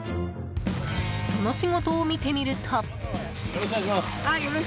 その仕事を見てみると。